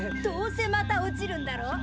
どうせまた落ちるんだろ。